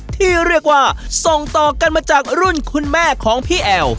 ที่เรียกว่าส่งต่อกันมาจากรุ่นคุณแม่ของพี่แอ๋ว